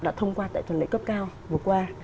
đã thông qua tại tuần lễ cấp cao vừa qua